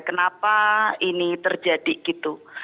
kenapa ini terjadi gitu